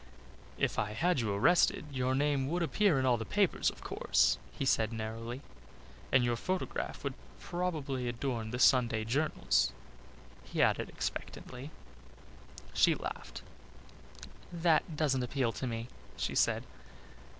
"If I had you arrested your name would appear in all the papers, of course," he said, narrowly, "and your photograph would probably adorn the Sunday journals," he added expectantly. She laughed. "That doesn't appeal to me," she said.